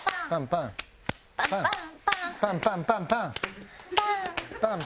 パンパンパン。